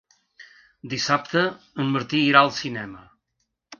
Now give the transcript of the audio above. Dissabte en Martí irà al cinema.